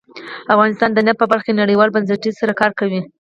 افغانستان د نفت په برخه کې نړیوالو بنسټونو سره کار کوي.